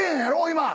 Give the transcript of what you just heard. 今。